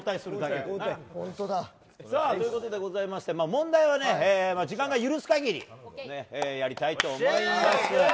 問題は時間が許す限りやりたいと思います。